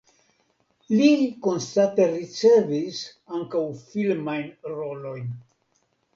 Li konstante ricevis ankaŭ filmajn rolojn.